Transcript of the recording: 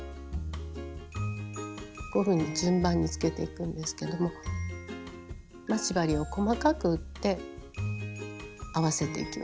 こういうふうに順番につけていくんですけども待ち針を細かく打って合わせていきます。